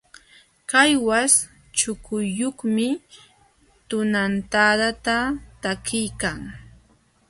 Qallwaśh chukuyuqmi tunantadata takiykan.